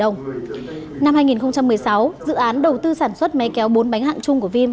năm hai nghìn một mươi sáu dự án đầu tư sản xuất máy kéo bốn bánh hạng chung của vim